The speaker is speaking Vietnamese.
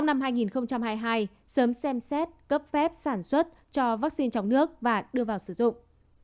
năm hai nghìn hai mươi hai sớm xem xét cấp phép sản xuất cho vaccine trong nước và đưa vào sử dụng